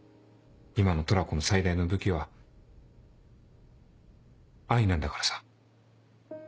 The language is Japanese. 今のトラコの最大の武器は愛なんだからさ。